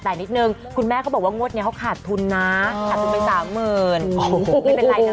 แต่คุณแม่เขาบอกว่างวดเนี่ยเขาขาดทุนนะขาดทุนไป๓๐๐๐๐ไม่เป็นไรเนี่ย